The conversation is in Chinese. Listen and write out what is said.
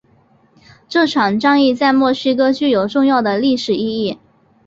这场战役在墨西哥具有重要的历史意义。